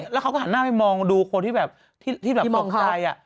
แล้วเขาก็หันหน้าไปมองดูคนที่ตกใจ